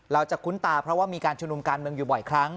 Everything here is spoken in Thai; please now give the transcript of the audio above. คุ้นตาเพราะว่ามีการชุมนุมการเมืองอยู่บ่อยครั้ง